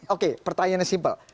oke pertanyaannya simpel